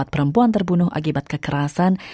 perempuan terbunuh akibat kekerasan